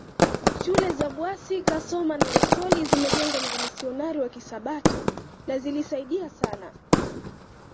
Shule za Bwasi Kasoma na Rusoli zimejengwa na wamisionari wa Kisabato na zilisaidia sana